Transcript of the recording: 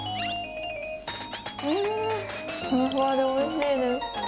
ふわふわでおいしいです。